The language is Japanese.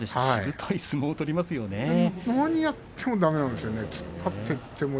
何をやってもだめなんですよね。